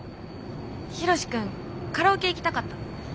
ヒロシ君カラオケ行きたかったの？